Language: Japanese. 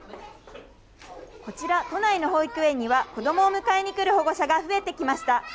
こちら、都内の保育園には、子どもを迎えに来る保護者が増えてきました。